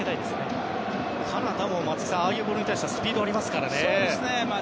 松木さん、カナダもああいうボールに対してはスピードがありますからね。